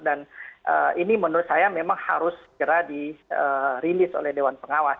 dan ini menurut saya memang harus segera di rilis oleh doan pengawas